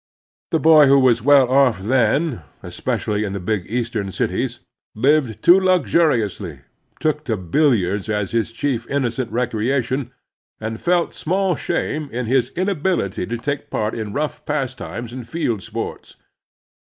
The boy who was well off then, especially in the big Eastern cities, lived too luxuriously, took to bil liards as his chief innocent recreation, and felt small shame in his inability to take part in rough pastimes and field sports.